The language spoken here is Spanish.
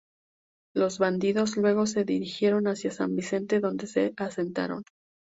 Los bandidos luego se dirigieron hacia San Vicente donde se asentaron.